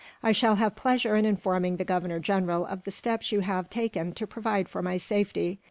I shall have pleasure in informing the Governor General of the steps that you have taken to provide for my safety."